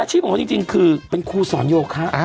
อาชีพของเค้าจริงคือเป็นครูสอนยูฆา